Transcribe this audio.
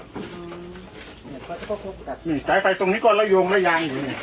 นี่สายไฟตรงนี้ก็ระยงระยัง